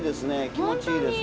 気持ちいいですね。